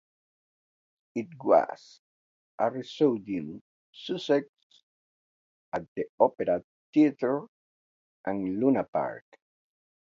It was a resounding success at the Opera Theatre and Luna Park.